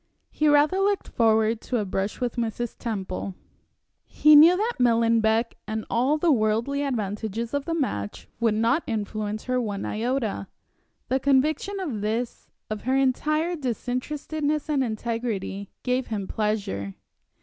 He rather looked forward to a brush with Mrs. Temple. He knew that Millenbeck and all the worldly advantages of the match would not influence her one iota. The conviction of this, of her entire disinterestedness and integrity, gave him pleasure.